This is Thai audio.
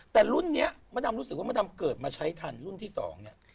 แต่รุ่นนี้มดดำรู้สึกว่ามดดำเกิดมาใช้ทันรุ่นที่๒เนี่ย